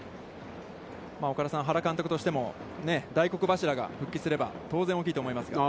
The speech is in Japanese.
岡田さん、原監督としても大黒柱が復帰すれば、当然大きいと思います。